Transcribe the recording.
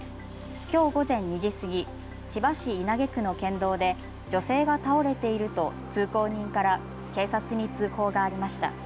きょう午前２時過ぎ、千葉市稲毛区の県道で女性が倒れていると通行人から警察に通報がありました。